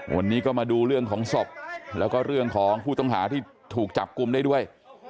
วันนี้ก็มาดูเรื่องของศพแล้วก็เรื่องของผู้ต้องหาที่ถูกจับกลุ่มได้ด้วย